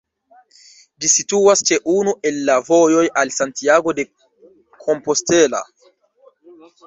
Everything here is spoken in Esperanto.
Ĝi situas ĉe unu el la vojoj al Santiago de Compostela.